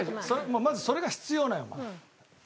まずそれが必要ないお前。